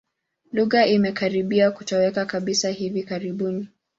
Lugha imekaribia kutoweka kabisa hivi karibuni.